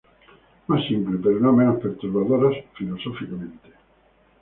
Más simples, pero no menos perturbadoras filosóficamente.